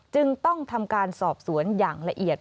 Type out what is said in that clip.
จึงต้องทำการสอบสวนอย่างละเอียด